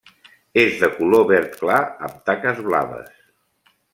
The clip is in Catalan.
És de color verd clar amb taques blaves.